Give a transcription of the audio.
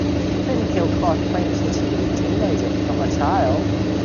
Finkielkraut claimed that she was a "teenager", "not a child".